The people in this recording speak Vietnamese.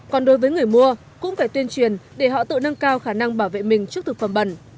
còn đối với người mua cũng phải tuyên truyền để họ tự nâng cao khả năng bảo vệ mình trước thực phẩm bẩn